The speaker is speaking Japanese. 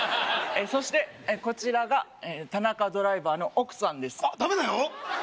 そしてこちらが田中ドライバーの奥さんですダメだよ？